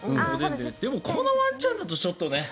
でも、このワンちゃんだとちょっとね。